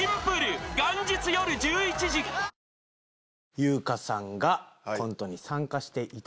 優香さんがコントに参加していただけました。